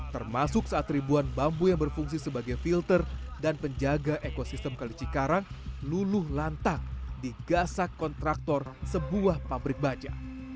termasuk saat ribuan bambu yang berfungsi sebagai filter dan penjaga ekosistem kali cikarang luluh lantang di gasak kontraktor sebuah pabrik baja